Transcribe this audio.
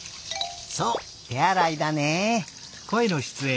そうてあらいだね。